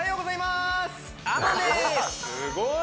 すごい！